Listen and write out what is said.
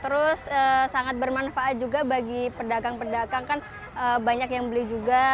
terus sangat bermanfaat juga bagi pedagang pedagang kan banyak yang beli juga